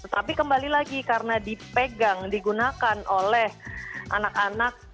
tapi kembali lagi karena dipegang digunakan oleh anak anak yang memiliki